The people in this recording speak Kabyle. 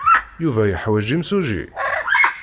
Yuba yeḥwaj imsujji?